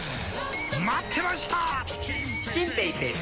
待ってました！